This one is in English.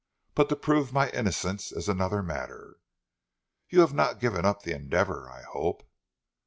But to prove my innocence is another matter." "You have not given up the endeavour, I hope."